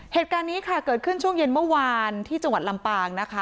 เหตุการณ์นี้ค่ะเกิดขึ้นช่วงเย็นเมื่อวานที่จังหวัดลำปางนะคะ